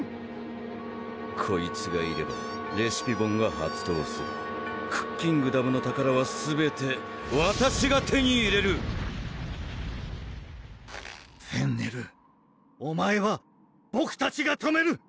こいつがいればレシピボンが発動するクッキングダムの宝はすべてわたしが手に入れるフェンネルお前はボクたちが止める！